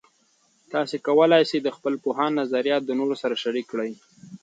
تاسې کولای سئ د خپل پوهاند نظریات د نورو سره شریک کړئ.